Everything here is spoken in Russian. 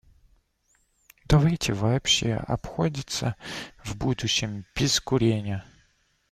Давайте вообще обходиться в будущем без курения.